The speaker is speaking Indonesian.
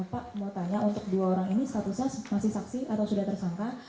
pak mau tanya untuk dua orang ini statusnya masih saksi atau sudah tersangka